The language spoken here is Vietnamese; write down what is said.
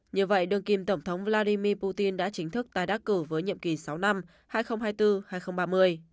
như vậy đường kim tổng thống vladimir putin đã chính thức tái đắc cử với nhiệm kỳ sáu năm hai nghìn hai mươi bốn hai nghìn ba mươi